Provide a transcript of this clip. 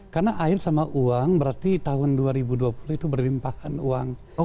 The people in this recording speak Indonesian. karena air sama uang berarti tahun dua ribu dua puluh itu berlimpahan uang